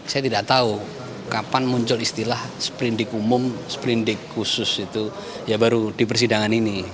saya tidak tahu kapan muncul istilah sprindik umum seprindik khusus itu ya baru di persidangan ini